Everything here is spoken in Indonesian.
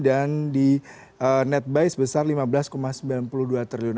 dan di netbuy sebesar lima belas sembilan puluh dua triliun